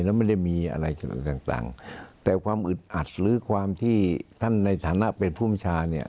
แล้วไม่ได้มีอะไรต่างแต่ความอึดอัดหรือความที่ท่านในฐานะเป็นผู้มชาเนี่ย